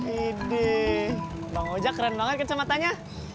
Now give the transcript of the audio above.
ide bang oja keren banget sama tanya